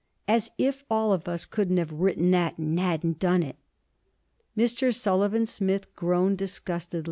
'As if all of us couldn't have written that, and hadn't done it!' Mr. Sullivan Smith groaned disgusted.